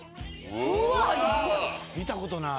見たことない。